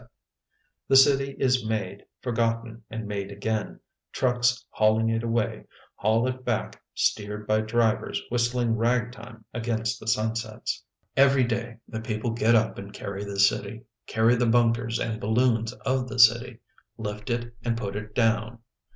The city is made, forgotten, and made again, trucks hauling it away haul it back steered by drivers whistling ragtime against the sunsets. The Windy City 13 Every day the people get up and carry the city, carry the bunkers and balloons of the city, lift it and put it down.